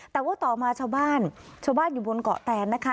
แต่ว่าต่อมาชาวบ้านชาวบ้านอยู่บนเกาะแตนนะคะ